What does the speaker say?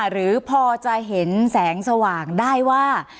หรือพอจะเห็นแสงสว่างได้ว่า